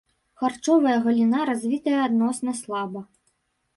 Харчовая галіна развітая адносна слаба.